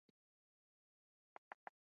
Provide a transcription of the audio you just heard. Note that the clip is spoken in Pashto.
که شک ونه کړې نو يقين ته نه رسېږې.